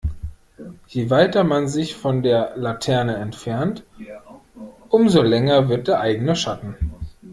Je weiter man sich von der Laterne entfernt, umso länger wird der eigene Schatten.